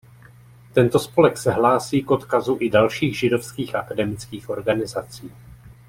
Tento spolek se hlásí k odkazu i dalších židovských akademických organizací.